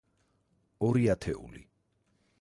ორი ათეული.